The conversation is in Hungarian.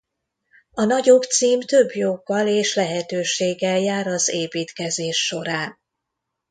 A nagyobb cím több joggal és lehetőséggel jár az építkezés során.